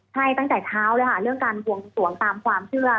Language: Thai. ใช่ตั้งแต่เช้าเลยค่ะเรื่องการบวงสวงตามความเชื่อ